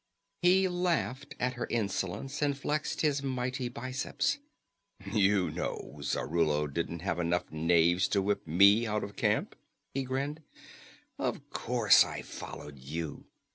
He laughed at her insolence and flexed his mighty biceps. "You know Zarallo didn't have enough knaves to whip me out of camp," he grinned. "Of course I followed you.